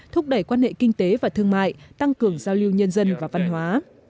thúc đẩy quan hệ kinh tế và thương mại tăng cường giao lưu nhân dân và văn hóa